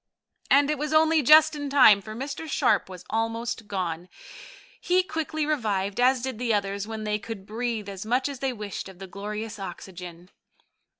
And it was only just in time, for Mr. Sharp was almost gone. He quickly revived, as did the others, when they could breathe as much as they wished of the glorious oxygen.